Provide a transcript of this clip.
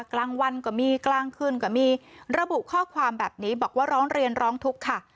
กลางวันก็มีกลางคืนก็มีระบุข้อความแบบนี้บอกว่าร้องเรียนร้องทุกข์ค่ะ